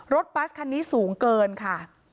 บัสคันนี้สูงเกินค่ะ